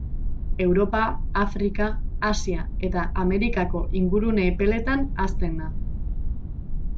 Europa, Afrika, Asia eta Amerikako ingurune epeletan hazten da.